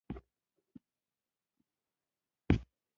د شوروي کلني ملي عاید وده شپږ سلنه وه.